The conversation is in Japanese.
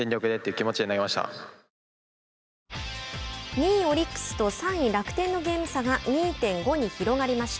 ２位オリックスと３位楽天のゲーム差が２．５に広がりました。